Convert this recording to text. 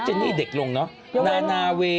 นี่เด็กลงเนอะนานาเว